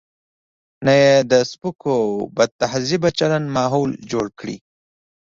نه یې د سپکو او بدتهذیبه چلن ماحول جوړ کړي.